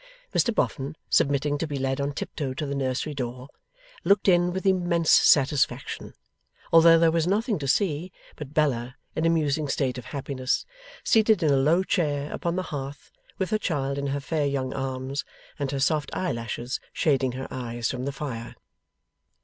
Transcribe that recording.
Mr Boffin, submitting to be led on tiptoe to the nursery door, looked in with immense satisfaction, although there was nothing to see but Bella in a musing state of happiness, seated in a little low chair upon the hearth, with her child in her fair young arms, and her soft eyelashes shading her eyes from the fire.